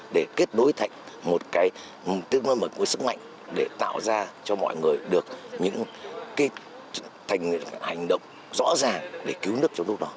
để kết nối thành một cái tương ứng của sức mạnh để tạo ra cho mọi người được những hành động rõ ràng để cứu nước trong lúc đó